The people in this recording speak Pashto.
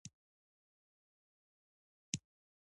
درې متره پلنوالی او يو متر لوړوالی لري،